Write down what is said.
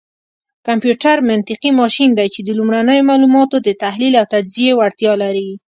کمپيوټر منطقي ماشين دی، چې د لومړنيو معلوماتو دتحليل او تجزيې وړتيا لري.